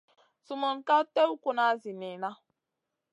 Sumun ka tèw kuna zi niyna.